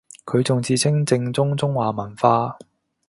佢仲自稱正宗中華文化